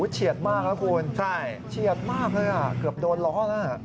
เฉียดมากครับคุณใช่เฉียดมากเลยเกือบโดนล้อแล้ว